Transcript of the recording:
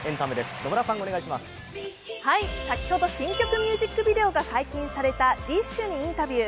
先ほど新曲ミュージックビデオが公開されたＤＩＳＨ／／にインタビュー。